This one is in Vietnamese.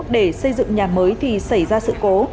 để xây dựng nhà mới thì xảy ra sự cố